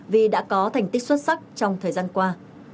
vì đã có thành tích xuất sắc trong thời gian qua